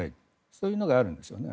そういうのがあるんですよね。